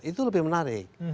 itu lebih menarik